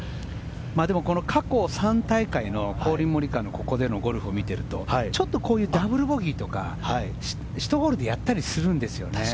でも過去３大会のコリン・モリカワのここでのゴルフを見ているとちょっとこういうダブルボギーとか１ホールでやったりするんですよね。